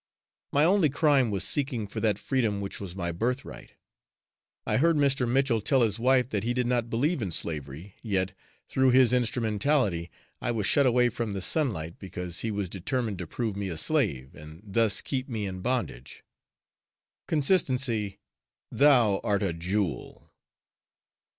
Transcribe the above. My only crime was seeking for that freedom which was my birthright! I heard Mr. Mitchell tell his wife that he did not believe in slavery, yet, through his instrumentality, I was shut away from the sunlight, because he was determined to prove me a slave, and thus keep me in bondage. Consistency, thou art a jewel!